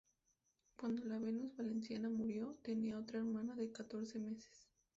Cuando "La Venus Valenciana" murió, tenía otra hermana de catorce meses.